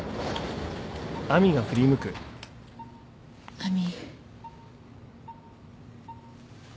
亜美。